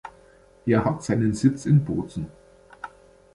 Er hat seinen Sitz in Bozen.